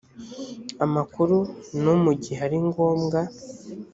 amakuru no mu gihe ari ngombwa